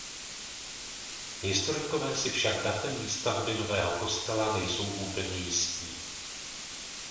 Historikové si však datem výstavby nového kostela nejsou úplně jistí.